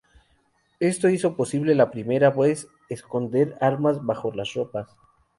Esto hizo posible por primera vez esconder armas bajo las ropas.